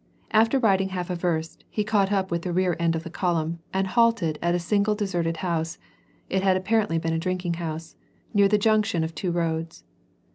After riding half a verst, he caught up with the rear end of the column, and halted at a single deserted house — it had apparently been a drinking house — near the junction of two roads.